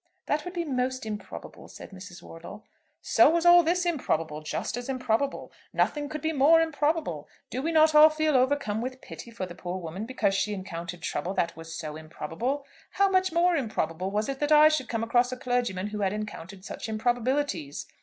"That would be most improbable," said Mrs. Wortle. "So was all this improbable, just as improbable. Nothing could be more improbable. Do we not all feel overcome with pity for the poor woman because she encountered trouble that was so improbable? How much more improbable was it that I should come across a clergyman who had encountered such improbabilities."